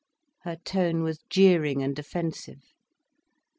Her tone was jeering and offensive.